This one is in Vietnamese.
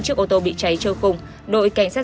chiếc ô tô bị cháy trâu cùng đội cảnh sát